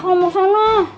kalau mau ke sana